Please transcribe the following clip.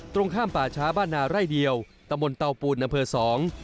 ตรงข้ามป่าช้าบ้านนาไร่เดียวตะมนเตาปูนอำเภอสอง